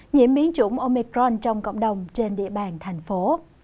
nhiễm biến chủng omicron trong cộng đồng trên địa bàn thành phố